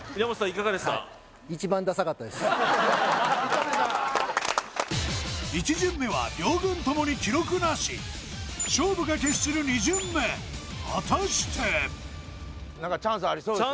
いかがですか・認めた１巡目は両軍ともに記録なし勝負が決する２巡目果たして何かチャンスありそうですね